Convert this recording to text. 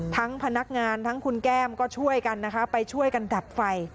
ทั้งพนักงานทั้งคุณแก้มก็ช่วยกันนะคะไปช่วยกันดับไฟ